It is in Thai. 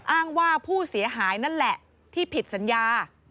อ้างว่าผู้เสียหายนั่นแหละที่ผิดสัญญา